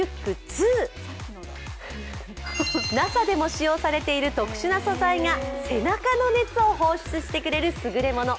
ＮＡＳＡでも使用されている特殊な素材が背中の熱を放出してくれるすぐれもの。